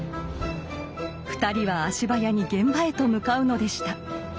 ２人は足早に現場へと向かうのでした。